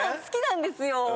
好きなんですよ。